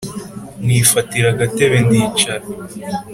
nifatira agatebe ndicara